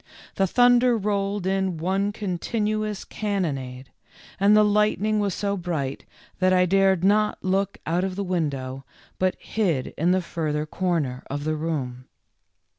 The thunder rolled in one continuous cannonade, and the lightning was so bright that I dared not look out of the win dow, but hid in the further corner of the room.